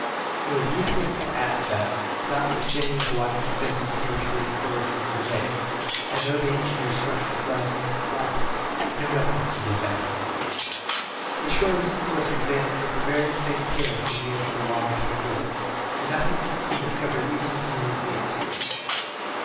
It is useless to add that notwithstanding the wide extent of sea which the explorers could survey, and though the engineer swept the horizon with his glass, no vessel could be found. The shore was of course examined with the same care from the edge of the water to the cliff, and nothing could be discovered even with the aid of the instrument.